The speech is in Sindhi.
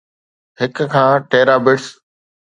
هڪ کان terabits